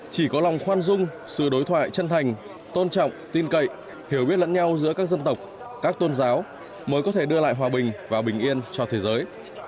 chỉ có lòng khoan dung sự đối thoại chân thành tôn trọng tin cậy hiểu biết lẫn nhau giữa các dân tộc các tôn giáo mới có thể đưa lại hòa bình và bình yên cho thế giới